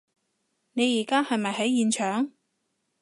你而家係咪喺現場？